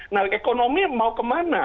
nah ekonomi mau kemana